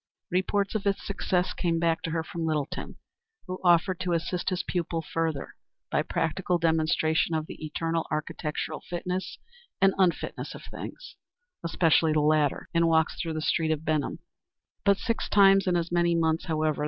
Reports of its success came back to her from Littleton, who offered to assist his pupil further by practical demonstration of the eternal architectural fitness and unfitness of things especially the latter in walks through the streets of Benham. But six times in as many months, however.